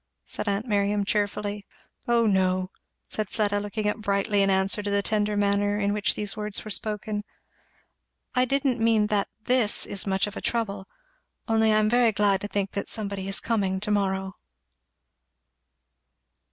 said aunt Miriam cheerfully. "O no!" said Fleda, looking up brightly in answer to the tender manner in which these words were spoken; "and I didn't mean that this is much of a trouble only I am very glad to think that somebody is coming to morrow."